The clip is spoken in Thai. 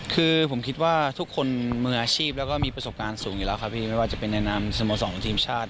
คือผมคิดว่าทุกคนมืออาชีพแล้วก็มีประสบการณ์สูงอยู่แล้วครับพี่ไม่ว่าจะเป็นในนามสโมสรของทีมชาติ